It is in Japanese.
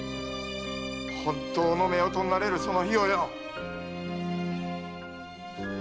本当の夫婦になれるその日をよ！